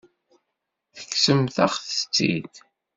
Tekksemt-aɣ-tt-id.